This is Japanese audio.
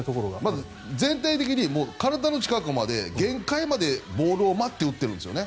まず全体的に体の近くまで、限界までボールを待って打っているんですよね。